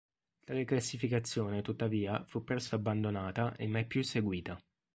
Tale classificazione, tuttavia, fu presto abbandonata e mai più seguita.